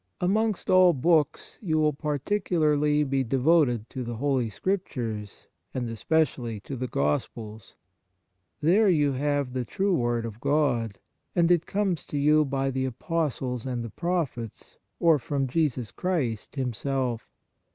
Amongst all books, you will partic ularly be devoted to the Holy Scrip 119 On the Exercises of Piety tures and especially to the Gospels. There you have the true word of God, and it comes to you by the Apostles and the Prophets, or from Jesus Christ Himself.